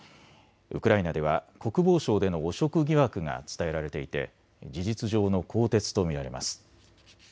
ウクライナでは国防省での汚職疑惑が伝えられていて事実上の更迭と見られます。